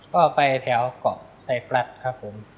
ก็ไปแถวเกาะไซปลัดครับผม